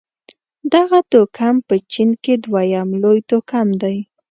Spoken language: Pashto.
دغه توکم په چين کې دویم لوی توکم دی.